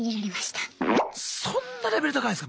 そんなレベル高いんですかみんな。